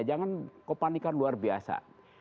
jangan kau panikkan luar biasa